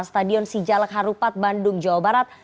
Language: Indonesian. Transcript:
stadion sijalak harupat bandung jawa barat